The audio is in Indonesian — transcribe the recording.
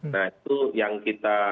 nah itu yang kita